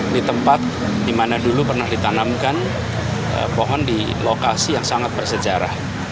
di tempat di mana dulu pernah ditanamkan pohon di lokasi yang sangat bersejarah